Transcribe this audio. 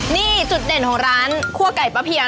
นี่จุดเด่นของร้านคั่วไก่ป้าเพียง